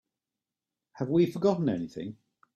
Have we forgotten anything?